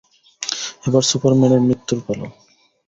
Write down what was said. এবার সুপারম্যানের মৃত্যুর পালা।